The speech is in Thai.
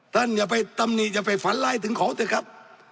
ท่านอย่าไปตำนีดอย่าไปฝันไล่ถึงของเธอครับ